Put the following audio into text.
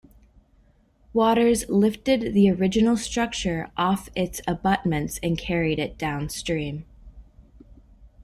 Waters lifted the original structure off its abutments and carried it downstream.